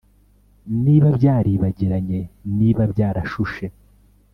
Niba byaribagiranye niba byarashushe